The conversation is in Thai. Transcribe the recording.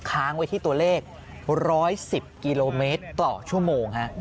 ค้างไว้ที่ตัวเลข๑๑๐กิโลเมตรต่อชั่วโมง